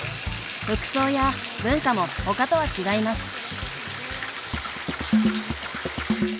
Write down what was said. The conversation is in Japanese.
服装や文化もほかとは違います。